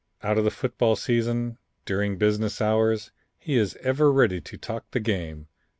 Out of the football season, during business hours, he is ever ready to talk the game.